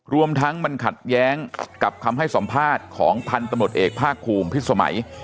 รวมทั้งมันขัดแย้งกับคำให้สัมภาษณ์ของพันธุ์ตำรวจเอกภาคภูมิพิษสมัย